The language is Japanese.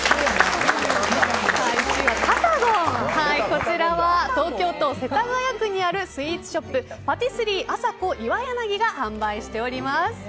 こちらは東京都世田谷区にあるスイーツショップパティスリーアサコイワヤナギが販売しております。